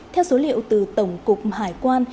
theo số liệu từ tổng cục hải quan